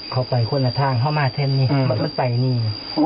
เขาไปคนละทางเขามาเท่นนี้เขาไปทางนี้